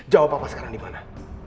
jawab papa sekarang dimana